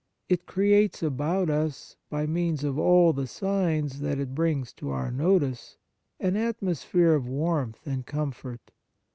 It creates about us, by means of all the signs that it brings to our notice, an atmo sphere of warmth and comfort.